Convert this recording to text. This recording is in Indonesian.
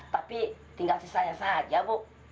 tapi tinggal sisanya saja bu